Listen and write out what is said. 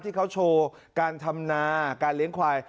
ที่เขาโชว์การทำนาการเลี้ยงควาย